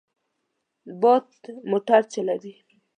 باد موټر چلوي.